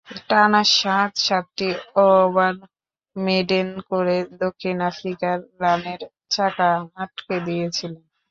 টানা সাত সাতটি ওভার মেডেন করে দক্ষিণ আফ্রিকার রানের চাকা আটকে দিয়েছিলেন।